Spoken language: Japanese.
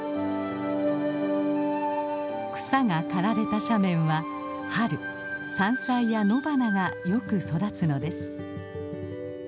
草が刈られた斜面は春山菜や野花がよく育つのです。